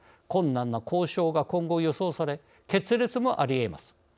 困難な交渉が今後予想され決裂もありえます。